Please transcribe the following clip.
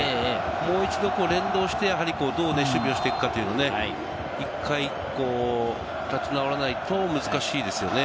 もう一度連動して、どう守備をしていくか、１回、立ち直らないと難しいですよね。